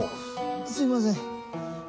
すいません。